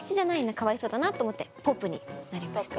かわいそうだなと思ってぽぷになりました。